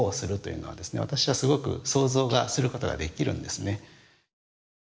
私はすごく想像することができるんですね。